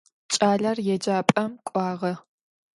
Кӏалэр еджапӏэм кӏуагъэ.